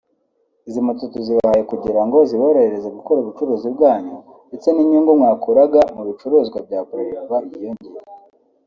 “Izi moto tuzibahaye kugira ngo ziborohereze gukora ubucuruzi bwanyu ndetse n’inyungu mwakuraga mu bicuruzwa bya Bralirwa yiyongere